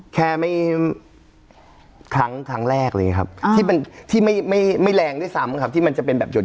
แค่ครั้งแรกเลยครับที่ไม่แรงด้วยซ้ำที่จะเป็นแบบหยด